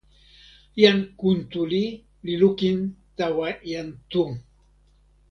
jan Kuntuli li lukin tawa jan Tu.